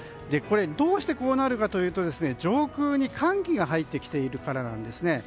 どうしてこうなるかというと上空に寒気が入ってきているからなんですね。